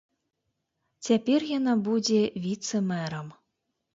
Цяпер яна будзе віцэ-мэрам.